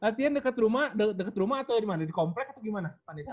latihan dekat rumah atau gimana di komplek atau gimana vanisa